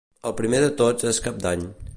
El primer de Tots és Cap d'Any.